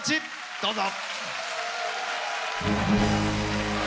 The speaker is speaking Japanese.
どうぞ。